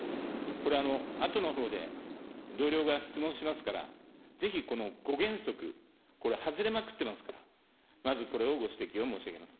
これは、あとのほうで同僚が質問しますから、ぜひこの５原則、これ外れまくってますから、まずこれをご指摘を申し上げます。